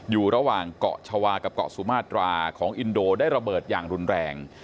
อยู่ระหว่างเกาะชาวากับเกาะสุมาตราของอินโดได้ระเบิดอย่างรุนแรง